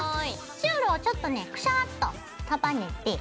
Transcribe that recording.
チュールをちょっとねクシャッと束ねて。